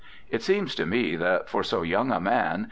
It seems to me that for so young a man.